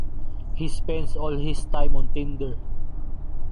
He spends all his time on Tinder.